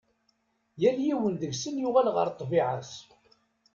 Yal yiwen deg-sen yuɣal ɣer ṭṭbiɛa-s.